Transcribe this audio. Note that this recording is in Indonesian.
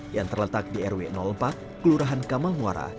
yang terletak di rw empat kelurahan kamal muara